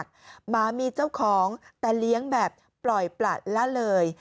รับบาดเจ็บอย่างหนักหมามีเจ้าของแต่เลี้ยงแบบปล่อยปลัดแล้วเลย